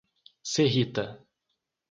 Serrita